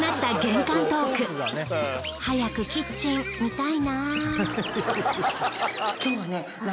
早くキッチン見たいな。